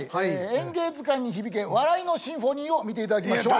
「『演芸図鑑』に響け笑いのシンフォニー」を見ていただきましょう。